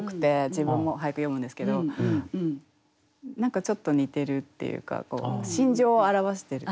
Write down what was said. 自分も俳句詠むんですけど何かちょっと似てるっていうか心情を表してる。